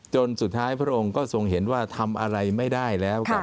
จนสุดท้ายพระองค์ก็ทรงเห็นว่าทำอะไรไม่ได้แล้ว